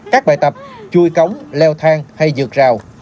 các bài tập chui cống leo thang hay dược rào